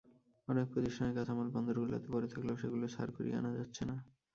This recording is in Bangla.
অনেক প্রতিষ্ঠানের কাঁচামাল বন্দরগুলোতে পড়ে থাকলেও সেগুলো ছাড় করিয়ে আনা যাচ্ছে না।